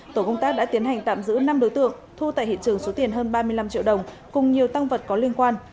tổ công tác đã tiến hành tạm giữ năm đối tượng thu tại hiện trường số tiền hơn ba mươi năm triệu đồng cùng nhiều tăng vật có liên quan